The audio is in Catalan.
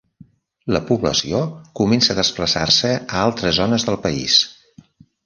La població comença a desplaçar-se a altres zones del país.